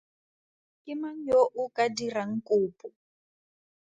Ke mang yo o ka dirang kopo?